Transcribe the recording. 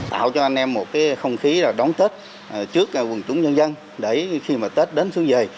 tạo cho anh em một cái không khí đón tết trước quần chúng nhân dân để khi mà tết đến xuân về